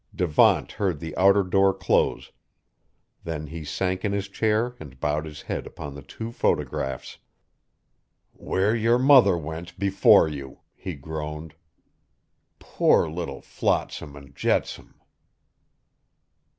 Devant heard the outer door close; then he sank in his chair and bowed his head upon the two photographs. "Where your mother went before you!" he groaned. "Poor little flotsam and jetsam!"